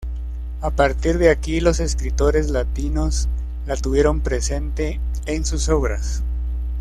A partir de aquí los escritores latinos la tuvieron presente en sus obras.